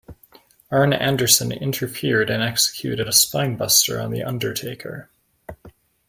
Arn Anderson interfered and executed a spinebuster on The Undertaker.